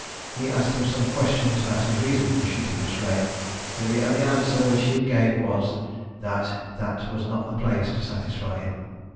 He asked him some questions about his reason for shooting Miss Reay, but the only answer which he gave was, that that was not the place to satisfy him.